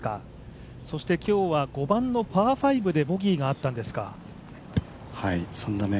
今日は５番のパー５でボギーがあったんですか。